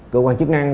cơ quan chức năng